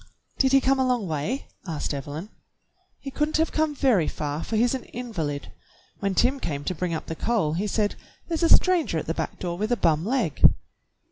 "Did he come a long way.?" asked Evelyn. "He could n't have come very far, for he's an invalid. When Tim came to bring up the coal he said, 'There's a stranger at the back door with a bum leg.'"